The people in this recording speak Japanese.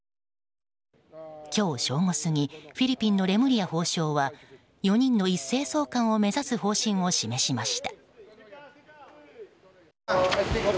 今日正午過ぎフィリピンのレムリヤ法相は４人の一斉送還を目指す方針を示しました。